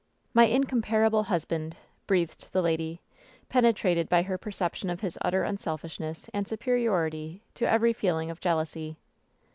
"My incomparable husband !" breathed the lady, pene trated by her perception of his utter unselfishness and superiority to every feeling of jealousy.